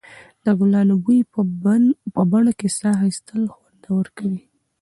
د ګلانو بوی په بڼ کې ساه اخیستل خوندور کوي.